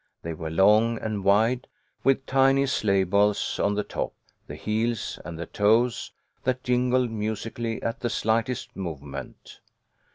They were long and wide, with tiny sleigh bells on the top, the heels, and the toes, that jingled musically at the slightest move ment.